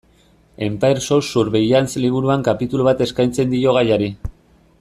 Empire sous Surveillance liburuan kapitulu bat eskaintzen dio gaiari.